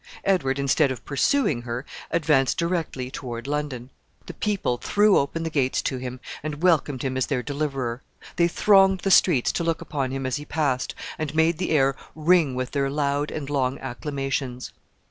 Edward, instead of pursuing her, advanced directly toward London. The people threw open the gates to him, and welcomed him as their deliverer. They thronged the streets to look upon him as he passed, and made the air ring with their loud and long acclamations.